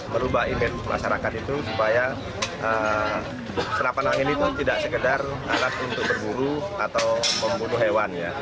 merubah image masyarakat itu supaya senapan angin itu tidak sekedar alat untuk berburu atau membunuh hewan ya